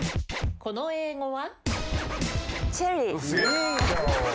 この英語は？